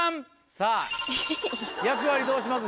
さぁ役割どうします？